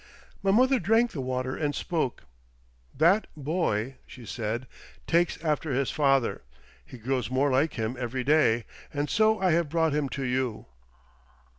My mother drank the water and spoke. "That boy," she said, "takes after his father. He grows more like him every day.... And so I have brought him to you."